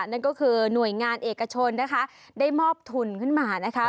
นั่นก็คือหน่วยงานเอกชนนะคะได้มอบทุนขึ้นมานะคะ